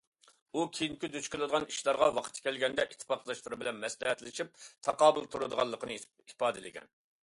ئۇ كېيىنكى دۇچ كېلىدىغان ئىشلارغا ۋاقتى كەلگەندە ئىتتىپاقداشلىرى بىلەن مەسلىھەتلىشىپ تاقابىل تۇرىدىغانلىقىنى ئىپادىلىگەن.